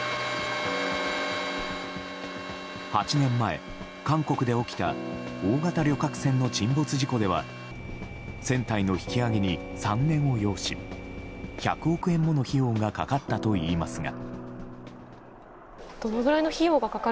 ８年前、韓国で起きた大型旅客船の沈没事故では船体の引き揚げに３年を要し１００億円もの費用がかかったといいますが。